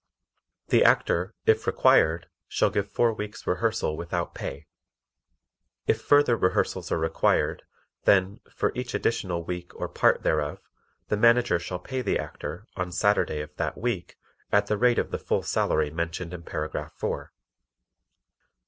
The Actor, if required, shall give four weeks' rehearsal without pay; if further rehearsals are required, then, for each additional week or part thereof, the Manager shall pay the Actor, on Saturday of that week, at the rate of the full salary mentioned in paragraph four.